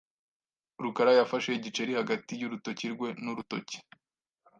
rukarayafashe igiceri hagati y'urutoki rwe n'urutoki.